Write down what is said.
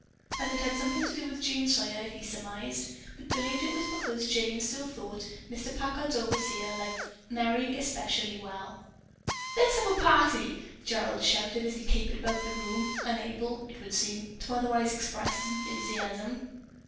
That it had something to do with Jean Sawyer he surmised, but believed that it was because Jane still thought Mr. Packard's overseer liked Merry especially well. "Let's have a party!" Gerald shouted as he capered about the room unable, it would seem, to otherwise express his enthusiasm.